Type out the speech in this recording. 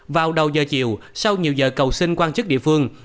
vào đầu giờ chiều sau nhiều giờ cầu sinh quan chức địa phương